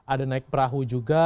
ada naik perahu juga